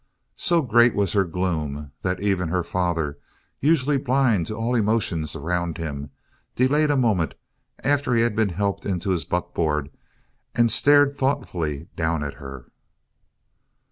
So great was her gloom that even her father, usually blind to all emotions around him, delayed a moment after he had been helped into his buckboard and stared thoughtfully down at her.